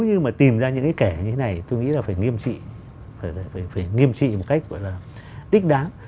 như mà tìm ra những cái kẻ như thế này tôi nghĩ là phải nghiêm trị phải nghiêm trị một cách đích đáng